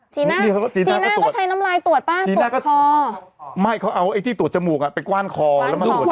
จีน่าเขาใช้น้ำลายตรวจป่ะตรวจคอไม่เขาเอาไอ้ที่ตรวจจมูกอ่ะไปกว้านคอแล้วมาตรวจ